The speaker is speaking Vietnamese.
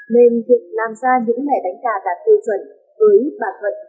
nên việc làm ra những mẻ đánh cà đạt tư chuẩn với bà thuận